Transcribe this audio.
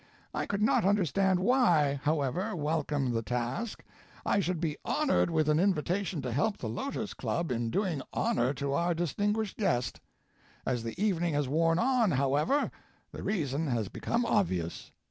I could not understand why, however welcome the task, I should be honored with an invitation to help the Lotos Club in doing honor to our distinguished guest. As the evening has worn on, however, the reason has become obvious.